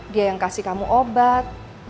dia yang kasih kamu obat